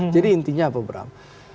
jadi intinya apa bram